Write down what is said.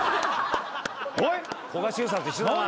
古賀シュウさんと一緒だな。